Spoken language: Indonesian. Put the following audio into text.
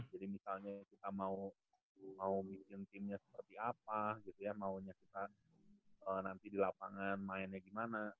misalnya kita mau bikin timnya seperti apa gitu ya maunya kita nanti di lapangan mainnya gimana